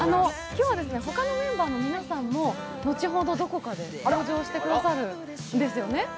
今日はほかのメンバーの皆さんも後ほどどこかで登場してくださるんですよね？